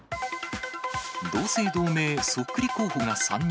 同姓同名、そっくり候補が３人。